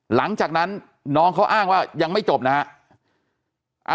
หลังจากนั้นน้องเขาอ้างว่ายังไม่จบนะฮะ